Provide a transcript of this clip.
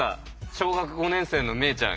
小学５年生の萌衣ちゃん